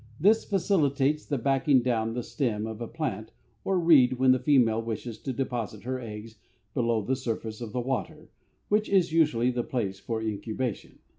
This facilitates the backing down the stem of a plant or reed when the female wishes to deposit her eggs below the surface of the water, which is usually the place for incubation.